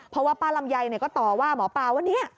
เพราะว่าป้าลำไยก็ต่อว่าหมอปลาว่าเนี่ย